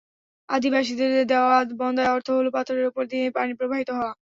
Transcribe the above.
আদি বাসিদের দেওয়া বন্দায় অর্থ হলো পাথরের ওপর দিয়ে পানি প্রবাহিত হওয়া।